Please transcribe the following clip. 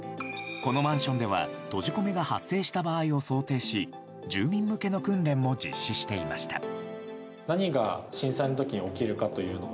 このマンションでは閉じ込めが発生した場合を想定し住民向けの訓練も実施していました。